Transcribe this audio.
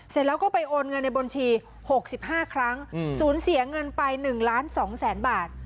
เสร็จแล้วก็ไปโอนเงินในบัญชี๖๕ครั้งสูญเสียเงินไป๑ล้าน๒แสนบาท